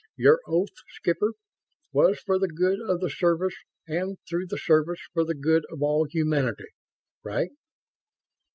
Your oath, Skipper, was for the good of the Service and, through the Service, for the good of all humanity. Right?"